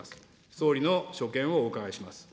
総理の所見をお伺いします。